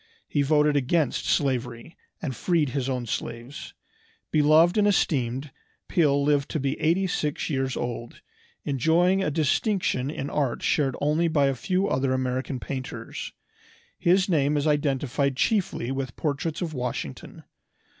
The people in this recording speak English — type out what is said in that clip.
He voted against slavery, and freed his own slaves. Beloved and esteemed, Peale lived to be eighty six years old, enjoying a distinction in art shared only by a few other American painters. His name is identified chiefly with portraits of Washington.